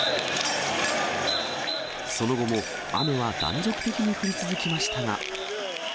その後も雨は断続的に降り続きましたが。